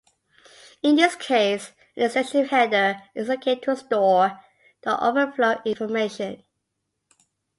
In this case, an "extension header" is allocated to store the overflow information.